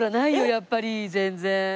やっぱり全然。